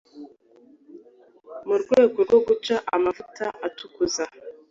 mu rwego rwo guca amavuta atukuza